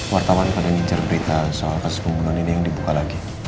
wartawan pada ngincar berita soal kasus pembunuhan ini yang dibuka lagi